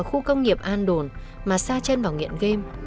ở khu công nghiệp an đồn mà xa chên vào nghiện game